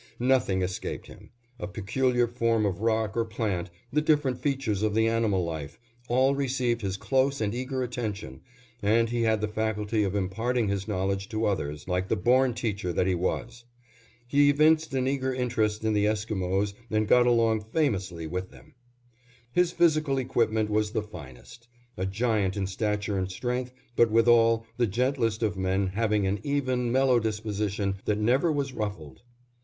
Nothing escaped him; a peculiar form of rock or plant, the different features of the animal life, all received his close and eager attention, and he had the faculty of imparting his knowledge to others, like the born teacher that he was. He evinced an eager interest in the Esquimos and got along famously with them. His physical equipment was the finest; a giant in stature and strength, but withal the gentlest of men having an even, mellow disposition that never was ruffled.